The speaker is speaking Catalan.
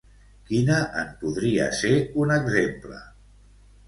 Quina en podria ser un exemple?